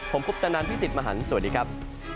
ผมคุปตะนันพี่สิทธิ์มหันฯสวัสดีครับ